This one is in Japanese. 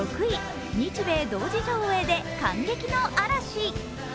６位、日米同時上映で感激の嵐。